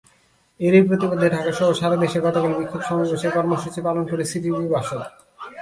এরই প্রতিবাদে ঢাকাসহ সারা দেশে গতকাল বিক্ষোভ সমাবেশের কর্মসূচি পালন করে সিপিবি-বাসদ।